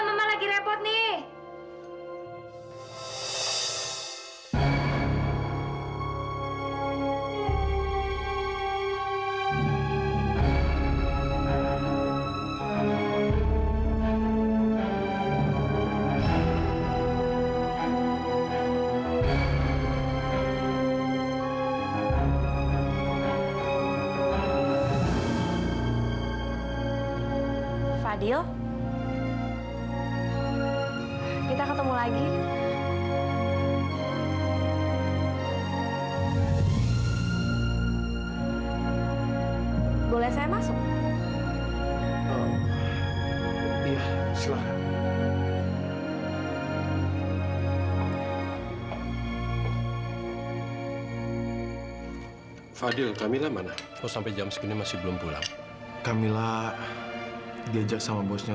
sampai jumpa di video selanjutnya